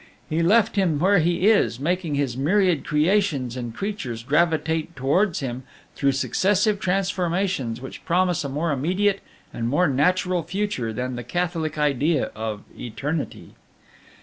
He left Him where He is, making His myriad creations and creatures gravitate towards Him through successive transformations which promise a more immediate and more natural future than the Catholic idea of Eternity.